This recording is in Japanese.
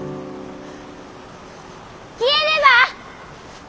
消えれば！